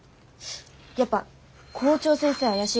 やっぱ校長先生怪しいかも。